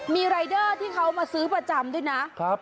มีรายเดอร์ที่เขามาซื้อประจำด้วยนะ